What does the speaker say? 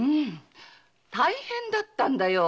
大変だったんだよ。